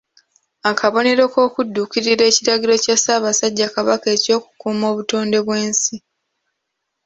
Akabonero k’okudduukirira ekiragiro kya Ssaabasajja Kabaka eky’okukuuma obutonde bw’ensi.